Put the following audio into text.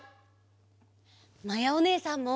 まやおねえさんも！